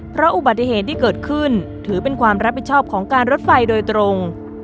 เพราะอุบัติเหตุที่เกิดขึ้นถือเป็นความรับผิดชอบของการรถไฟโดยตรง